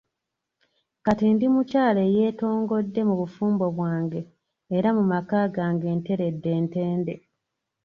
Kati ndi mukyala eyeetongodde mu bufumbo bwange era mu maka gange nteredde ntende.